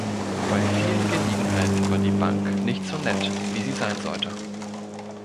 Bei vielen Gelegenheiten war die Bank nicht so "nett" wie sie sein sollte.